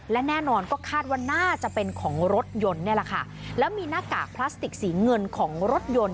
และแน่นอนก็คาดว่าน่าจะเป็นของรถยนต์นี่แหละค่ะแล้วมีหน้ากากพลาสติกสีเงินของรถยนต์